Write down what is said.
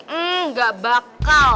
hmm gak bakal